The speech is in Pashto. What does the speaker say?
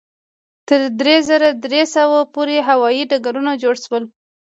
تر درې زره درې سوه پورې هوایي ډګرونه جوړ شول.